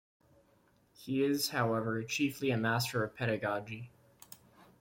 He is, however, chiefly a master of pedagogy.